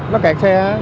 nó kẹt xe